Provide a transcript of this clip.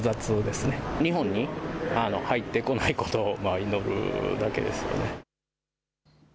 日本に入ってこないことを祈るだけです。